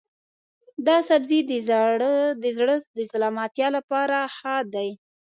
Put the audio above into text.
دا سبزی د زړه د سلامتیا لپاره ښه دی.